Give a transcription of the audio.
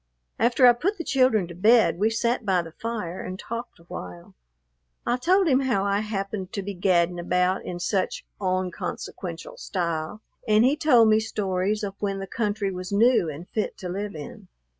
After I put the children to bed, we sat by the fire and talked awhile. I told him how I happened to be gadding about in "such onconsequential" style, and he told me stories of when the country was new and fit to live in.